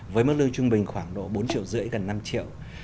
với mức lương trung bình khoảng độ bốn triệu rưỡi gần năm triệu